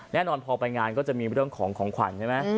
แน่นอนพอไปงานก็จะมีเรื่องของของขวัญใช่ไหม